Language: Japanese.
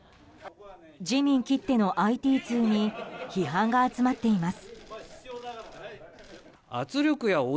自民きってのＩＴ通に批判が集まっています。